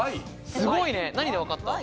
すごい！何でわかった？